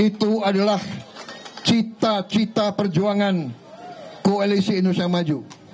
itu adalah cita cita perjuangan koalisi indonesia maju